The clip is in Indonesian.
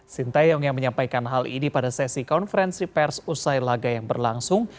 sintayong yang menyampaikan hal ini pada sesi konferensi pers usai laga yang berlangsung